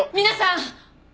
皆さん！